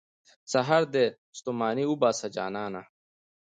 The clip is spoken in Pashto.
سهار دې ستوماني وباسه، جانانه.